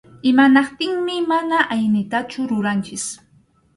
Imanaptinmi mana aynitachu ruranchik.